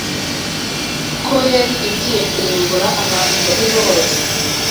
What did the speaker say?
ko yari igiye kurimbura abantu babi bose